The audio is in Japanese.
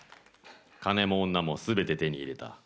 金も女も全て手に入れた。